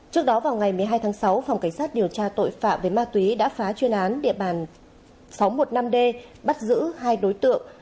trước đó vào ngày một mươi hai tháng sáu phòng cảnh sát điều tra tội phạm về ma túy đã phá chuyên án địa bàn sáu trăm một mươi năm d bắt giữ hai đối tượng